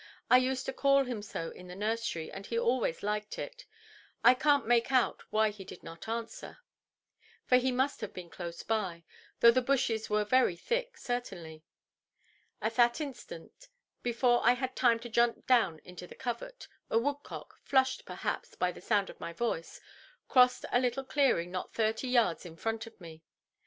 I used to call him so in the nursery, and he always liked it. I canʼt make out why he did not answer, for he must have been close by—though the bushes were very thick, certainly. At that instant, before I had time to jump down into the covert, a woodcock, flushed, perhaps, by the sound of my voice, crossed a little clearing not thirty yards in front of me.